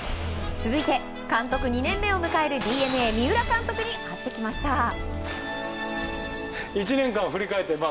続いて、監督２年目を迎えるＤｅＮＡ三浦監督に会ってきました。